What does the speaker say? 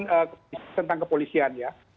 saya mau bahas tentang kepolisian ya